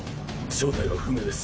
正体は不明です。